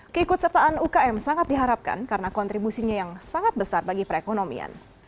keikut sertaan ukm sangat diharapkan karena kontribusinya yang sangat besar bagi perekonomian